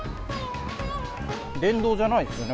電動じゃないですよね？